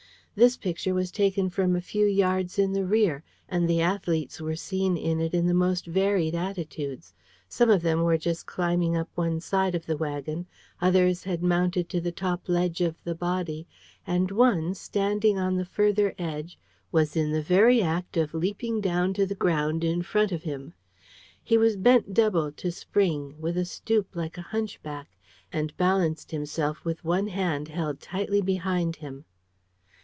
This picture was taken from a few yards in the rear; and the athletes were seen in it in the most varied attitudes. Some of them were just climbing up one side of the wagon: others had mounted to the top ledge of the body: and one, standing on the further edge, was in the very act of leaping down to the ground in front of him. He was bent double, to spring, with a stoop like a hunchback, and balanced himself with one hand held tightly behind him.